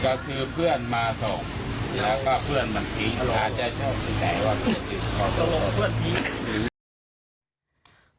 แล้วก็เพื่อนมันทิ้งอาจจะเจ้าที่แหน่ง